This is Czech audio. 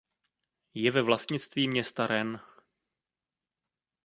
Je ve vlastnictví města Rennes.